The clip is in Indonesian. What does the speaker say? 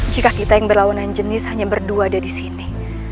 jika kita yang berlawanan jenis hanya berdua ada disini